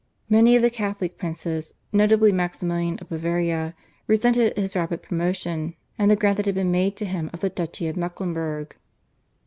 Many of the Catholic princes, notably Maximilian of Bavaria, resented his rapid promotion and the grant that had been made to him of the Duchy of Mecklenburg.